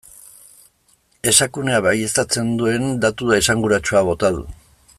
Esakunea baieztatzen duen datu esanguratsua bota du.